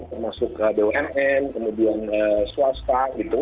termasuk bumn kemudian swasta gitu